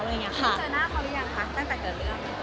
เขาเจอหน้าเขาหรือยังคะตั้งแต่เกิดเรื่อง